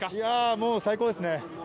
もう最高ですね。